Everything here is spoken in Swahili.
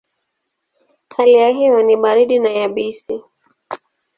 Hali ya hewa ni baridi na yabisi.